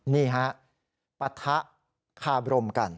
นี่ครับปะทะคาบรมกัน